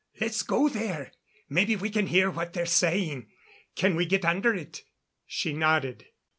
Let's go there. Maybe we can hear what they're saying. Can we get under it?" She nodded.